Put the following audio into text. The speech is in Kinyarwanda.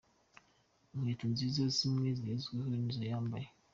Inkweto nziza zimwe zigezwe nizo yambaye.